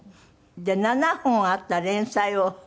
で７本あった連載を整理した？